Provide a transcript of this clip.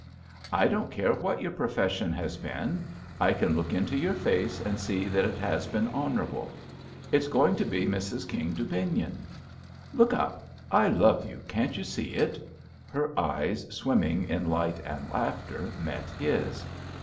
"I don't care what your profession has been. I can look into your face and see that it has been hoaorable. It's going to be Mrs. King Dubignon. Look up 1 I love you, can't you see it?" Her eyes, swimming in light and laughter, met his.